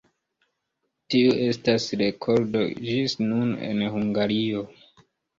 Tiu estas rekordo ĝis nun en Hungario.